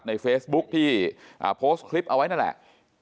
ในเฟซบุ๊คที่โพสต์คลิปเอาไว้นั่นแหละ